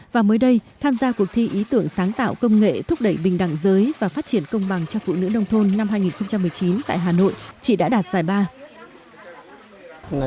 và mới đây tham gia cuộc thi ý tưởng sáng tạo công nghệ thúc đẩy bình đẳng giới và phát triển công bằng cho phụ nữ nông thôn năm hai nghìn một mươi chín tại hà nội chỉ đã đạt giải ba